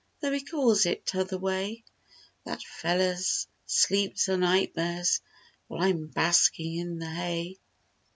(Though he calls it 'tother way) — That feller's sleeps are nightmares. While I'm "baskin' in the hay."